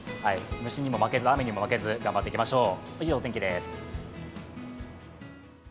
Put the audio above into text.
虫にも負けず、雨にも負けず頑張っていきましょう。